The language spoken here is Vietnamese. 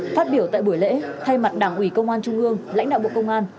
phát biểu tại buổi lễ thay mặt đảng ủy công an trung ương lãnh đạo bộ công an